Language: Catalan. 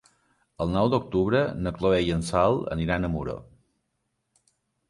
El nou d'octubre na Chloé i en Sol aniran a Muro.